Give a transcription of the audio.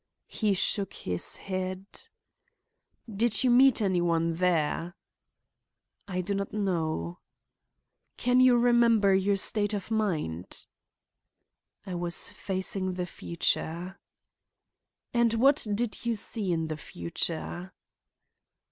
He shook his head. "Did you meet any one there?" "I do not know." "Can you remember your state of mind?" "I was facing the future." "And what did you see in the future?"